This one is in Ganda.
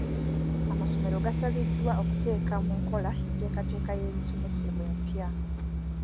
Amasomero gasabiddwa okuteeka mu nkola enteekateeka y'ebisomesebwa empya.